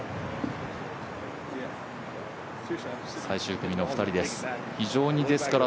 最終組の２人です。